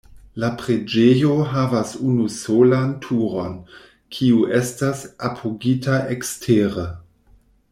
La preĝejo havas unusolan turon, kiu estas apogita ekstere.